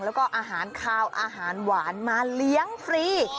แล้วก็อาหารคาวอาหารหวานมาเลี้ยงฟรี